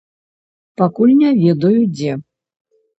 Пакуль не ведаю, дзе.